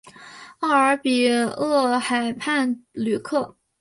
奥尔比厄河畔吕克。